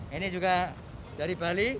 ini juga dari bali